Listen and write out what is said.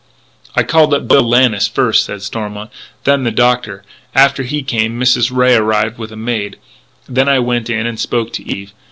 "I called up Bill Lannis first," said Stormont, " then the doctor. After he came, Mrs. Ray arrived with a maid. Then I went in and spoke to Eve.